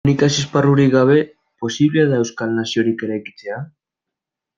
Komunikazio esparrurik gabe, posible da euskal naziorik eraikitzea?